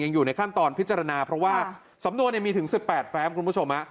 อยู่ในขั้นตอนพิจารณาเพราะว่าสำนวนมีถึง๑๘แฟมคุณผู้ชม